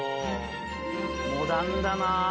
モダンだなぁ。